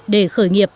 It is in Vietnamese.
để khởi nghiệp